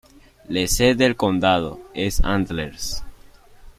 La sede del condado es Antlers.